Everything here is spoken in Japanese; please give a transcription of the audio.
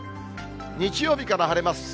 日曜日から晴れます。